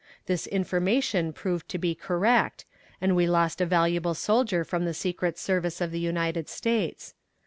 This information proved to be correct, and we lost a valuable soldier from the secret service of the United States.